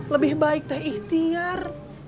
lebih baik teh ikhtiar